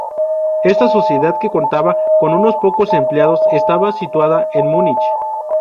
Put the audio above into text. Esta sociedad que contaba con unos pocos empleados estaba situada en Múnich.